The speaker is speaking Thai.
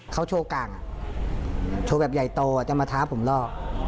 เขาโชว์กลางโชว์แบบใหญ่โตจะมาท้าผมรอ